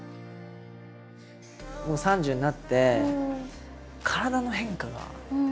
僕３０になって体の変化が。